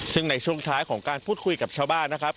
ซึ่งในช่วงท้ายของการพูดคุยกับชาวบ้านนะครับ